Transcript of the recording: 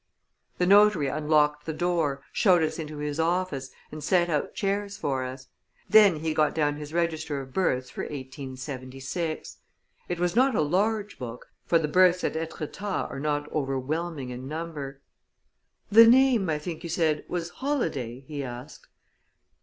The notary unlocked the door, showed us into his office, and set out chairs for us. Then he got down his register of births for 1876. It was not a large book, for the births at Etretat are not overwhelming in number. "The name, I think you said, was Holladay?" he asked.